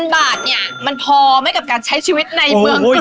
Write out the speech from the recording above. บาทเนี่ยมันพอไหมกับการใช้ชีวิตในเมืองกฤษ